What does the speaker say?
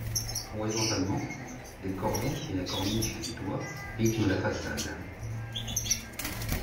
Horizontalement, des cordons et la corniche du toit rythment la façade.